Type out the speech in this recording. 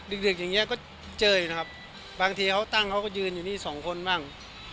ดึกอย่างนี้ก็เจออยู่นะครับบางทีเขาตั้งเขาก็ยืนอยู่นี่สองคนบ้าง